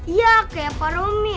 iya kayak pak romi